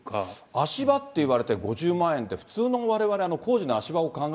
足場って言われて５０万円って、普通のわれわれ、イメージしますよね。